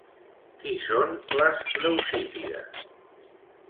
Qui són les Leucípides?